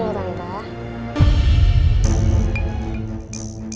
ini loh tante